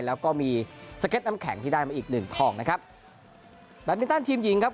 แล้วก็มีสเก็ตน้ำแข็งที่ได้มาอีกหนึ่งทองนะครับแบตมินตันทีมหญิงครับ